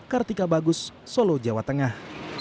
kartika bagus solo jawa tengah